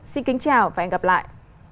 xin kính chào và hẹn gặp lại